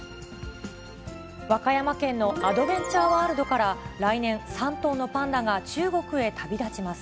和歌山県のアドベンチャーワールドから、来年、３頭のパンダが中国へ旅立ちます。